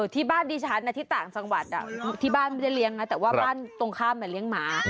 ที่บ้านดิฉันที่ต่างจังหวัดที่บ้านไม่ได้เลี้ยงนะแต่ว่าบ้านตรงข้ามเลี้ยงหมา